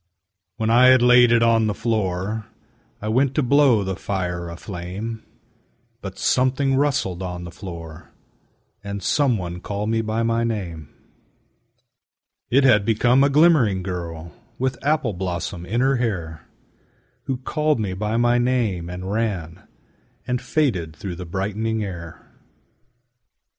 When I had laid it on the floor I went to blow the fire aflame, But something rustled on the floor, And some one called me by my name: It had become a glimmering girl With apple blossom in her hair Who called me by my name and ran And faded through the brightening air.